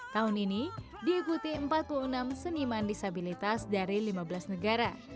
tahun ini diikuti empat puluh enam seniman disabilitas dari lima belas negara